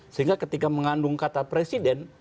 sehingga ketika mengandung kata presiden